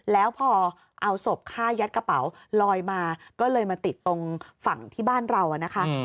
แล้วพอเอาศพฆ่ายัดกระเป๋าลอยมาก็เลยมาติดตรงฝั่งที่บ้านเรานะคะ